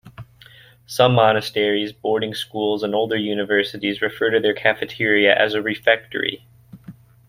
Some monasteries, boarding schools, and older universities refer to their cafeteria as a refectory.